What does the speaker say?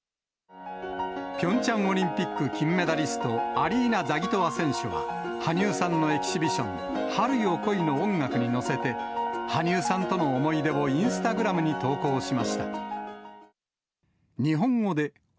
ピョンチャンオリンピック金メダリスト、アリーナ・ザギトワ選手は、羽生さんのエキシビション、春よ来いの音楽に乗せて、羽生さんとの思い出をインスタグラムに投稿しました。